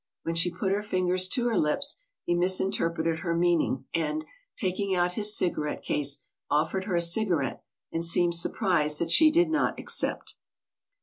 When she put her fingers to her lips, he misinterpreted her meaning, and, tak ing out his cigarette case, offered her a cigarette, and seemed surprised that she did not accept.